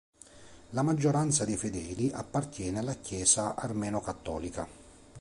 La maggioranza dei fedeli appartiene alla Chiesa armeno-cattolica.